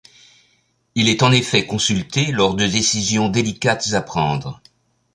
Il est en effet consulté lors de décisions délicates à prendre.